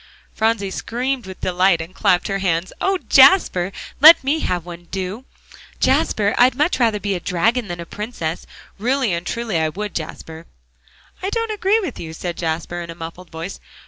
Phronsie screamed with delight and clapped her hands. "Oh, Jasper! let me have one on, do, Jasper! I'd much rather be a dragon than a princess. Really and truly I would, Jasper." "I don't agree with you," said Jasper, in a muffled voice.